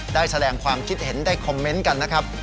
ได้แสดงความคิดเห็นได้คอมเมนต์กันนะครับ